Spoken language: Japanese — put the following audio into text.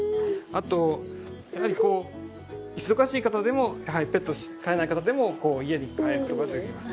あとやはりこう忙しい方でもやはりペットを飼えない方でも家に飼える事ができます。